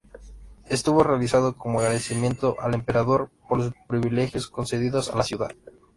Estuvo realizado como agradecimiento al emperador por los privilegios concedidos a la ciudad.